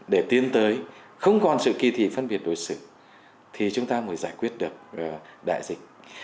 để tiến tới không còn sự kỳ thị phân biệt đối xử thì chúng ta mới giải quyết được đại dịch